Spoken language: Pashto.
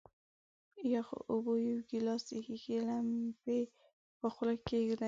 د یخو اوبو یو ګیلاس د ښيښې لمپې په خولې کیږدئ.